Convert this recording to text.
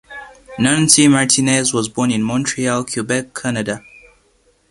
Nancy Martinez was born in Montreal, Quebec, Canada.